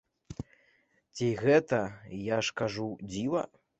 Ці гэта, я ж кажу, дзіва?!